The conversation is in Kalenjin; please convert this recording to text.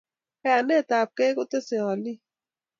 Kayanetab gei kotesei olik